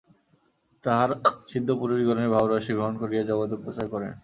তাঁহারা সিদ্ধপুরুষগণের ভাবরাশি গ্রহণ করিয়া জগতে প্রচার করেন।